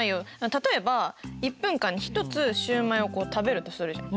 例えば１分間に１つシュウマイをこう食べるとするじゃん。